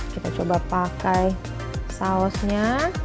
kita coba pakai sausnya